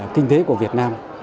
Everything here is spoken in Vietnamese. kinh tế của việt nam